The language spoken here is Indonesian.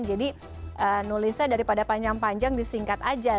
jadi nulisnya daripada panjang panjang disingkat aja